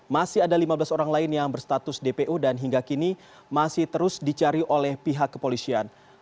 masih ada lima belas orang lain yang berstatus dpo dan hingga kini masih terus dicari oleh pihak kepolisian